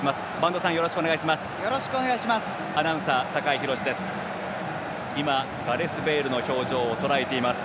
播戸さん、よろしくお願いします。